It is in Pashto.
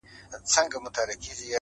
ډنډ اوبه لري.